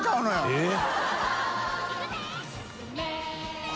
えっ？